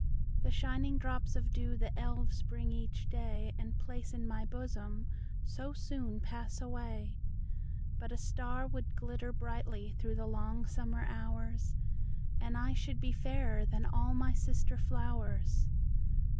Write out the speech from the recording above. The shining drops of dew the Elves bring each day And place in my bosom, so soon pass away; But a star would glitter brightly through the long summer hours, And I should be fairer than all my sister flowers.